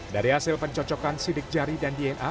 dari hasil pencocokan sidik jari dan dna